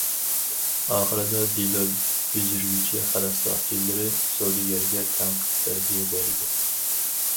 ئاخىرىدا دېلو بېجىرگۈچى خەلق ساقچىلىرى سودىگەرگە تەنقىد- تەربىيە بەردى.